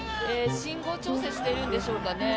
信号調整をしているんでしょうかね。